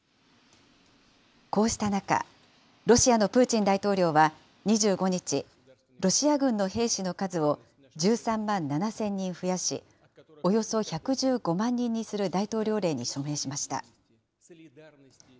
こうした中、ロシアのプーチン大統領は２５日、ロシア軍の兵士の数を、１３万７０００人増やし、およそ１１５万人にする大統領令に署名しました。